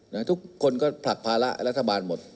ทุกคนก็ผลักภาระรัฐบาลหมด